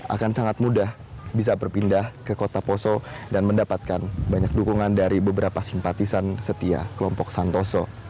akan sangat mudah bisa berpindah ke kota poso dan mendapatkan banyak dukungan dari beberapa simpatisan setia kelompok santoso